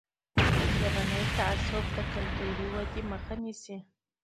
ژبني تعصبونه د کلتوري ودې مخه نیسي.